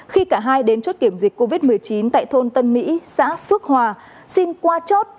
khi cả hai đến chốt kiểm dịch covid một mươi chín tại thôn tân mỹ xã phước hòa xin qua chốt